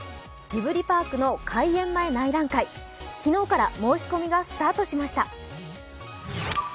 ジブリパークの開演前内覧会、昨日から申し込みがスタートしました。